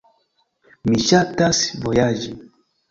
Mi ŝatas vojaĝi.